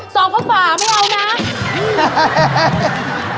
สองเข้าป่าไม่เอานะ